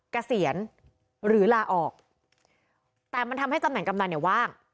เกษียณหรือลาออกแต่มันทำให้ตำแหนกำนันเนี่ยว่าง